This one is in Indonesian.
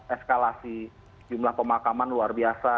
eskalasi jumlah pemakaman luar biasa